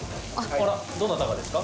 どなたがですか？